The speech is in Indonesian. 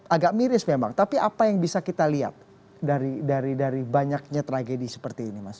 agak miris memang tapi apa yang bisa kita lihat dari banyaknya tragedi seperti ini mas